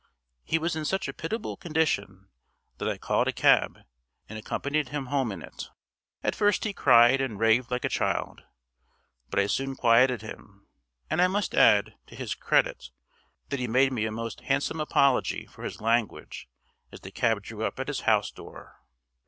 He was in such a pitiable condition that I called a cab and accompanied him home in it. At first he cried and raved like a child; but I soon quieted him; and I must add, to his credit, that he made me a most handsome apology for his language as the cab drew up at his house door.